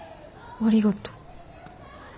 ありがとう。